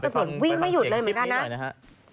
เหมือนวิ่งไม่หยุดเลยเหมือนกันนะ